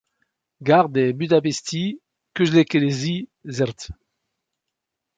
Gare des Budapesti Közlekedési Zrt.